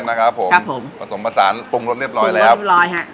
มะเขือเทศนะครับผมครับผมผสมผสานปรุงรสเรียบร้อยแล้วครับปรุงรสเรียบร้อยฮะ